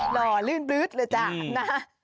หล่อลื่นบรึ๊ดเหรอจ้ะนะ